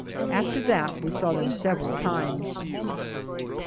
After that we saw them several times.